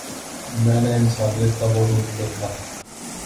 میں نے انسانیت کا وہ روپ دیکھا